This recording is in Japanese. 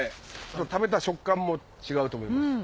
食べた食感も違うと思います。